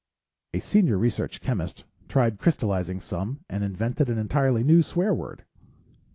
A senior research chemist tried crystalizing some and invented an entirely new swear word.